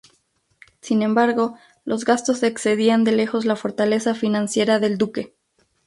Sin embargo, los gastos excedían de lejos la fortaleza financiera del Duque.